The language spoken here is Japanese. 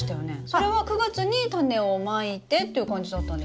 それは９月にタネをまいてという感じだったんですけど。